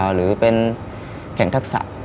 หรือเป็นแข่งทักษะ